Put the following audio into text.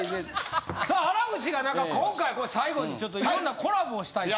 さあ原口が何か今回最後にちょっと色んなコラボをしたいと。